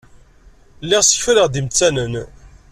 Lliɣ ssekfaleɣ-d imettanen.